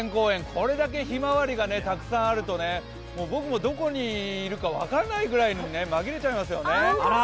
これだけひまわりがたくさんあると僕もどこにいるか分からないぐらいの紛れちゃいますよね。